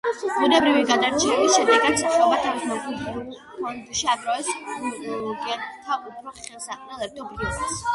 ბუნებრივი გადარჩევის შედეგად სახეობა თავის მემკვიდრულ ფონდში აგროვებს გენთა უფრო ხელსაყრელ ერთობლიობას.